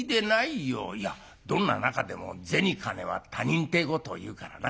「いやどんな仲でも銭金は他人てえことをいうからな。